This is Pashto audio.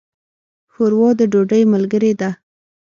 ښوروا د ډوډۍ ملګرې ده.